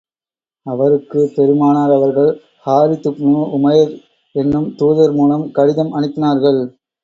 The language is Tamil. அவருக்குப் பெருமானார் அவர்கள் ஹாரிதுப்னு உமைர் என்னும் தூதர் மூலம் கடிதம் அனுப்பினார்கள்.